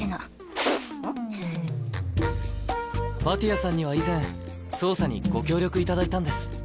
マティアさんには以前捜査にご協力いただいたんです。